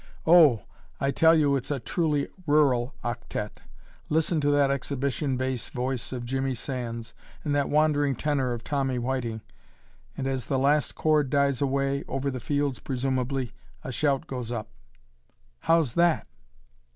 Oh! I tell you it's a truly rural octette. Listen to that exhibition bass voice of Jimmy Sands and that wandering tenor of Tommy Whiteing, and as the last chord dies away (over the fields presumably) a shout goes up: "How's that?"